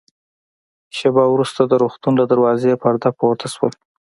شېبه وروسته د روغتون له دروازې پرده پورته شول.